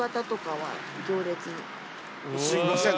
すいません